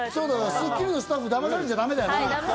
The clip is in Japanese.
『スッキリ』のスタッフだまされちゃダメだよな。